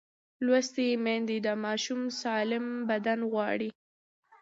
لوستې میندې د ماشوم سالم بدن غواړي.